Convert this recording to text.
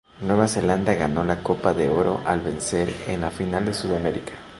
Nueva Zelanda ganó la Copa de Oro al vencer en la final a Sudáfrica.